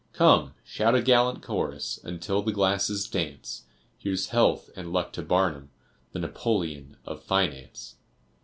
Come! shout a gallant chorus, Until the glasses dance, Here's health and luck to Barnum, The Napoleon of Finance.